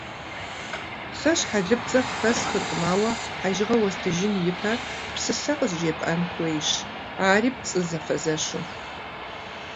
- Сэ щхьэлыпщӀэ къыхэсхыркъым, ауэ хьэжыгъэ уэстыжын ипэ псысэ къызжепӀэн хуейщ, ари пцӀы зэфэзэщу.